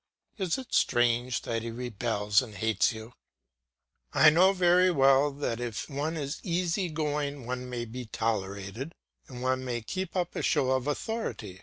Is it strange that he rebels and hates you too? I know very well that if one is easy going one may be tolerated, and one may keep up a show of authority.